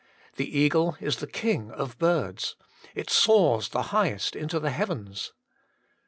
The eagle is the king of birds, it soars the high est into the heavens.